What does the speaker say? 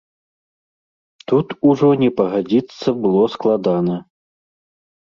Тут ужо не пагадзіцца было складана.